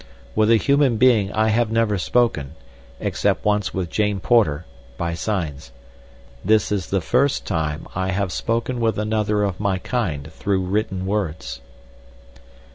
With a human being I have never spoken, except once with Jane Porter, by signs. This is the first time I have spoken with another of my kind through written words.